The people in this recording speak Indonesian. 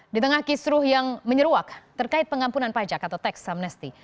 di tengah kisruh yang menyeruak terkait pengampunan pajak atau tax amnesty